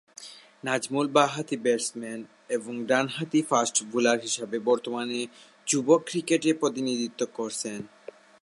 নাজমুল বা-হাতি ব্যাটসম্যান এবং ডান-হাতি ফাস্ট বোলার হিসেবে বর্তমানে যুব ক্রিকেটে প্রতিনিধিত্ব করছেন।